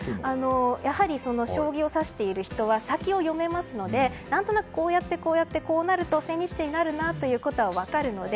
やはり将棋を指している人は先を読めますので何となくこうやっていると千日手になるなということは分かるので。